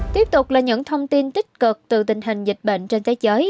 tiếp tục là những thông tin tích cực từ tình hình dịch bệnh trên thế giới